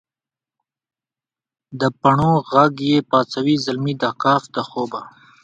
دپڼو ږغ یې پاڅوي زلمي د کهف دخوبه